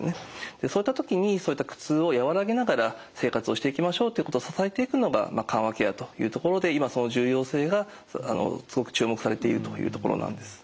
そういった時にそういった苦痛を和らげながら生活をしていきましょうってことを支えていくのが緩和ケアというところで今その重要性がすごく注目されているというところなんです。